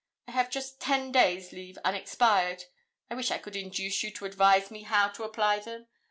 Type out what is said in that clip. I have just ten days' leave unexpired; I wish I could induce you to advise me how to apply them.